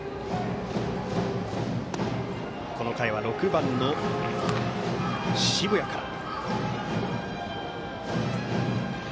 この回は６番の澁谷から。